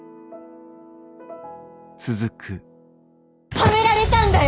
はめられたんだよ！